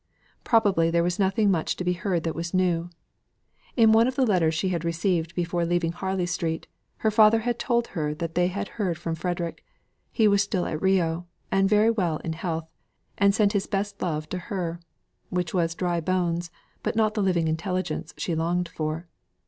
Probably there was nothing much to be heard that was new. In one of the letters she had received before leaving Harley Street, her father had told her that they had heard from Frederick; he was still at Rio, and very well in health, and sent his best love to her; which was dry bones, but not the living intelligence she longed for.